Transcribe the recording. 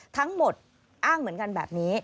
ทั้งหมดอ้างเหมือนกันแบบนี้